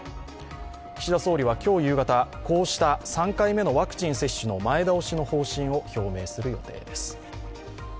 岸田総理は今日夕方、こうした３回目のワクチン接種の前倒しの方針を表明する予定です。